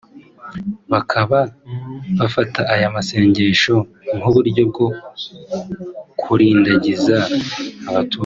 bakaba bafata aya masengesho nk’uburyo bwo kurindagiza abaturage